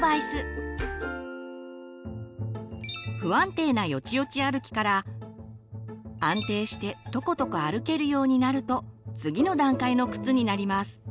不安定なよちよち歩きから安定してとことこ歩けるようになると次の段階の靴になります。